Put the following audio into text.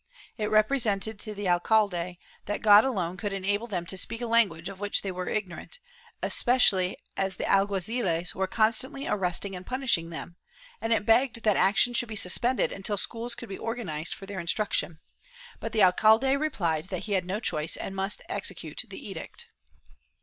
It represented to the alcalde that God alone could enable them to speak a language of which they were ignorant, especially as the alguaziles were constantly arresting and punishing them, and it begged that action should be suspended until schools could be organized for their instruction, but the alcalde replied that he had no choice and must execute the edict.